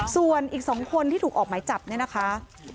ส่วนอีก๒คนที่ถูกออกหมายจับเนี่ยนะคะ